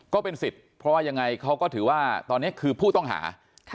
ก็เป็นสิทธิ์เพราะว่ายังไงเขาก็ถือว่าตอนนี้คือผู้ต้องหา